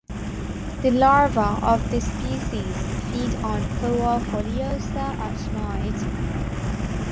The larvae of this species feed on "Poa foliosa" at night.